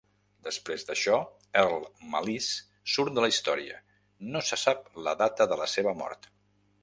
Després d'això, Earl Malise surt de la història; no se sap la data de la seva mort.